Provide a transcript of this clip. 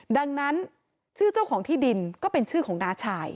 ดังนั้นชื่อเจ้าของที่ดินก็เป็นชื่อของน้าชาย